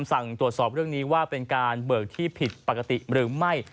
สั่งตรวจสอบเรื่องนี้ว่าเป็นการเบิกที่ผิดปกติหรือไม่